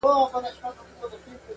سړي راوستی ښکاري تر خپله کوره,